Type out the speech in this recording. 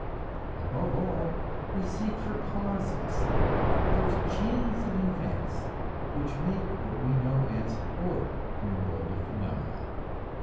Above all, we seek for causes; those chains of events which make what we know as order in the world of phenomena.